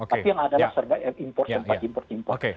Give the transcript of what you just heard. tapi yang ada adalah serba impor serba impor impor